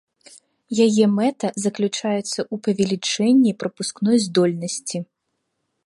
Яе мэта заключаецца ў павелічэнні прапускной здольнасці.